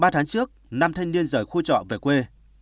trước năm thanh niên rời khu trọ về quê